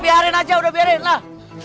biarin aja udah biarin lah